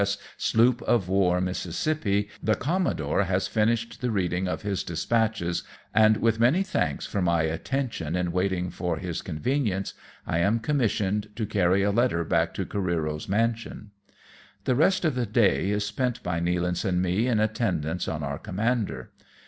S. sloop of war, Mississij^pi, the commodore has finished the reading of his des patches, and with many thanks for my attention in waiting for his convenience, I am commissioned to carry a letter back to Oareero's mansion. The rest of the day is spent by Nealance and me in attendance on our commander.